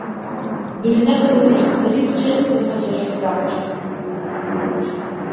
Дури не фрлиш рипче, не фаќаш крапче.